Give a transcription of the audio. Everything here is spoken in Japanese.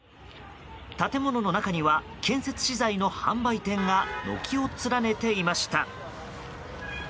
建物の中には建設資材の販売店が軒を連ねていました。